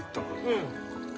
うん。